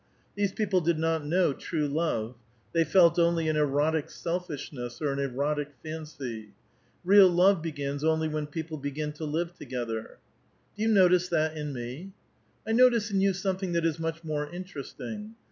These people did not know true love. They felt only an erotic selfishness, or an erotic fancy. Real love begins only when people begin to live together." " Do vou no^^ce that in me?" '' I notice in you something that is much more interesting.